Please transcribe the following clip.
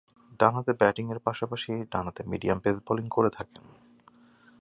ডানহাতে ব্যাটিংয়ের পাশাপাশি ডানহাতে মিডিয়াম পেস বোলিং করে থাকেন।